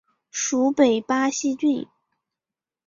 属北巴西郡。